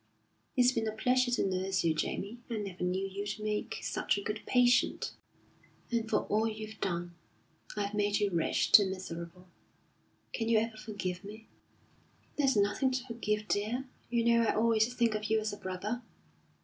"It's been a pleasure to nurse you, Jamie. I never knew you'd make such a good patient." "And for all you've done, I've made you wretched and miserable. Can you ever forgive me?" "There's nothing to forgive, dear. You know I always think of you as a brother."